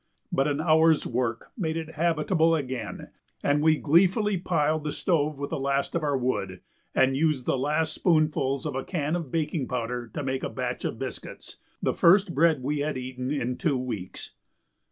But an hour's work made it habitable again, and we gleefully piled the stove with the last of our wood and used the last spoonfuls of a can of baking powder to make a batch of biscuits, the first bread we had eaten in two weeks.